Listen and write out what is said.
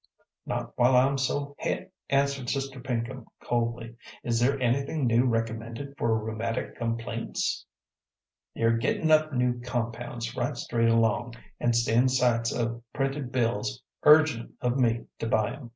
"Not while I'm so het," answered Sister Pinkham coldly. "Is there anything new recommended for rheumatic complaints?" "They're gittin' up new compounds right straight along, and sends sights o' printed bills urgin' of me to buy 'em.